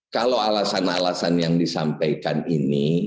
kalau alasan alasan yang disampaikan ini